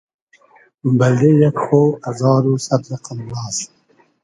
بئلدې یئگ خۉ ازار و سئد رئقئم ناز